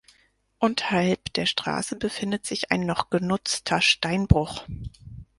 Unterhalb der Straße befindet sich ein noch genutzter Steinbruch.